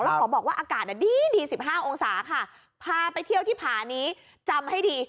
แล้วขอบอกว่าอากาศดีดีสิบห้าองศาค่ะพาไปเที่ยวที่ผ่านี้จำให้ดี